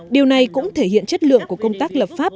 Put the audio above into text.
điều này cũng thể hiện chất lượng của công tác lập pháp